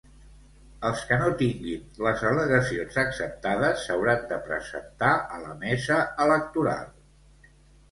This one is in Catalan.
Els qui no tinguin les al·legacions acceptades s'hauran de presentar a la mesa electoral.